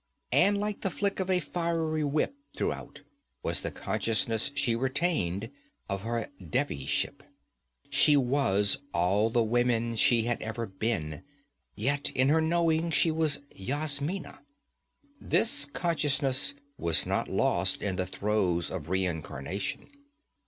And like the flick of a fiery whip throughout was the consciousness she retained of her Devi ship. She was all the women she had ever been, yet in her knowing she was Yasmina. This consciousness was not lost in the throes of reincarnation.